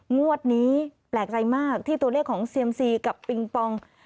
งวดนี้แปลกใจมากที่ตัวเลขของเซียมซีกับปิงปอง